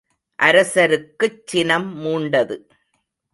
அரசருக்குச் சினம் மூண்டது.